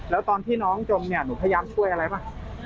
แล้วตอนที่น้องจมเนี่ยหนูพยายามช่วยอะไรป่ะ